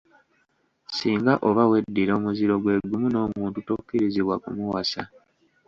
Singa oba weddira omuziro gwe gumu n'omuntu tokkirizibwa kumuwasa.